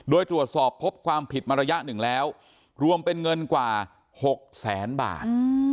โดยตรวจสอบพบความผิดมาระยะหนึ่งแล้วรวมเป็นเงินกว่า๖แสนบาท